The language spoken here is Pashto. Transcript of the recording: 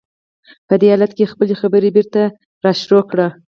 په دې حالت کې يې خپلې خبرې بېرته را پيل کړې.